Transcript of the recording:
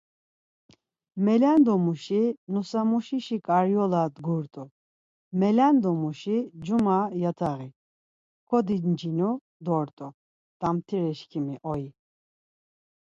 Melendomuşi nusamuşişi ǩaryola dgurt̆u, molendomuşi cuma yataği, kodincinu dort̆u damtireşǩimi oyi!